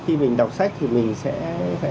khi mình đọc sách thì mình sẽ